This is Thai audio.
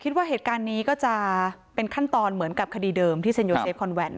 คิดว่าเหตุการณ์นี้ก็จะเป็นขั้นตอนเหมือนกับคดีเดิมที่เซ็นโยเซฟคอนแวนต